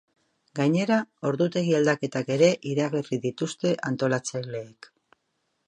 Gainera, ordutegi aldaketak ere iragarri dituzte antolatzaileek.